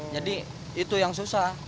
jadi itu yang susah